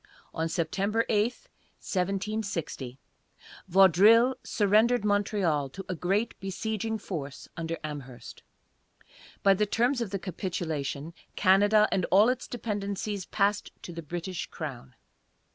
On September 8, 1760, Vaudreuil surrendered Montreal to a great besieging force under Amherst. By the terms of the capitulation, Canada and all its dependencies passed to the British crown.